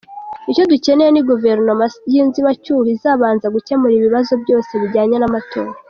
Icyo dukeneye ni Guverinoma y’inzibacyuho izabanza gukemura ibibazo byose bijyanye n’amatora.